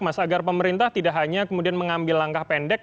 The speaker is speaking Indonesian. agar pemerintah tidak hanya mengambil langkah pendek